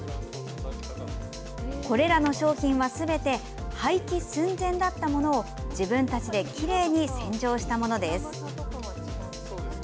これらの商品はすべて廃棄寸前だったものを自分たちできれいに洗浄したものです。